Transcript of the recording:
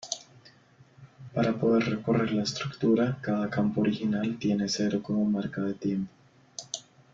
Para poder recorrer la estructura, cada campo original tiene cero como marca de tiempo.